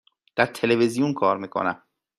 در تلویزیون کار می کنم.